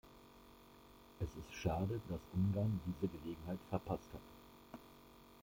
Es ist schade, dass Ungarn diese Gelegenheit verpasst hat.